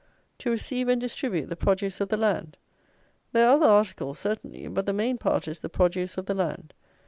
To receive and distribute the produce of the land. There are other articles, certainly; but the main part is the produce of the land.